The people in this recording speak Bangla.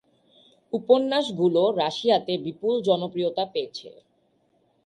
উপন্যাসগুলো রাশিয়াতে বিপুল জনপ্রিয়তা পেয়েছে।